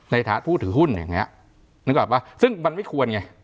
ผู้ถือหุ้นอย่างนี้นึกออกป่ะซึ่งมันไม่ควรไง